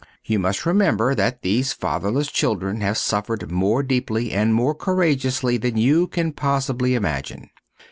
You must remember that these fatherless children have suffered more deeply and more courageously than you can possibly imagine.